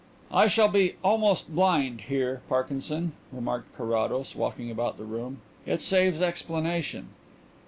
"I shall be 'almost' blind here, Parkinson," remarked Carrados, walking about the room. "It saves explanation."